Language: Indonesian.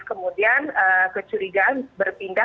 kemudian kecurigaan berpindah